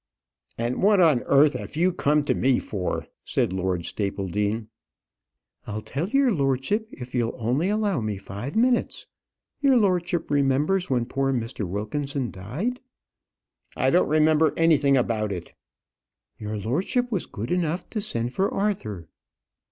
"And what on earth have you come to me for?" said Lord Stapledean. "I'll tell your lordship, if you'll only allow me five minutes. Your lordship remembers when poor Mr. Wilkinson died?" "I don't remember anything about it." "Your lordship was good enough to send for Arthur."